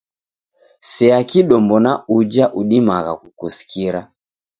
Sea kidombo na uja udimagha kukusikira.